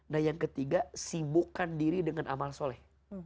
nah yang ketiga sibukkan diri dengan amal soleh